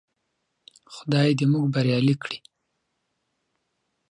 خدای دې موږ بريالي کړي.